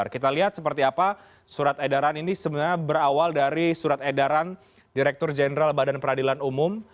kita lihat seperti apa surat edaran ini sebenarnya berawal dari surat edaran direktur jenderal badan peradilan umum